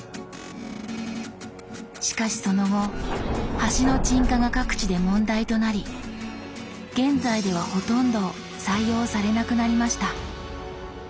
しかしその後橋の沈下が各地で問題となり現在ではほとんど採用されなくなりました。